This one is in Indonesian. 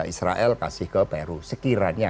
israel kasih ke peru sekiranya